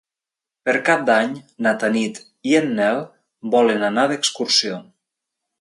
Per Cap d'Any na Tanit i en Nel volen anar d'excursió.